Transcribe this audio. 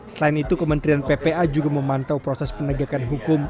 selain itu kementerian ppa juga memantau proses penegakan hukum